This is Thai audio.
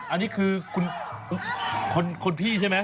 อันนี้คือคุณพี่ใช่ไหม